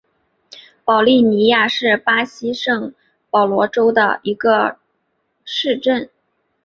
保利尼亚是巴西圣保罗州的一个市镇。